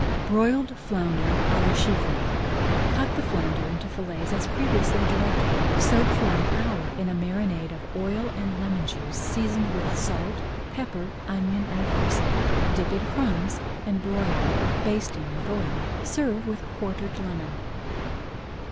BROILED FLOUNDER À LA CHIVRY Cut the flounder into fillets as previously directed. Soak for an hour in a marinade of oil and lemon juice, seasoned with salt, pepper, onion, and parsley. Dip in crumbs and broil, basting with oil. Serve with quartered lemon.